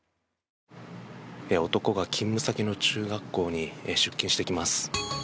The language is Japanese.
男が勤務先の中学校に出勤してきます。